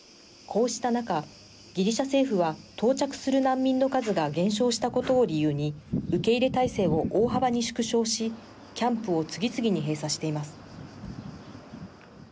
こうした中ギリシャ政府は到着する難民の数が減少したことを理由に受け入れ態勢を大幅に縮小しキャンプを次々に閉鎖しています。